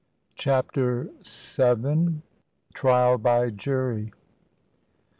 CHAPTER SEVEN. TRIAL BY JURY.